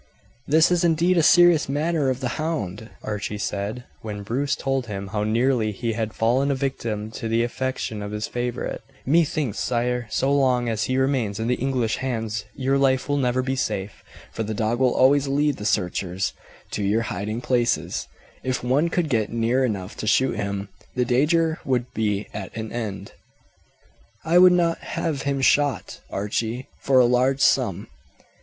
"This is indeed a serious matter of the hound," Archie said when Bruce told him how nearly he had fallen a victim to the affection of his favourite. "Methinks, sire, so long as he remains in the English hands your life will never be safe, for the dog will always lead the searchers to your hiding places; if one could get near enough to shoot him, the danger would be at an end." "I would not have him shot, Archie, for a large sum.